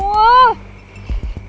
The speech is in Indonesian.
masa masa polas deh